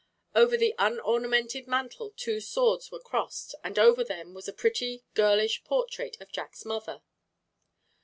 Over the unornamented mantel two swords were crossed, and over them was a pretty, girlish portrait of Jack's mother.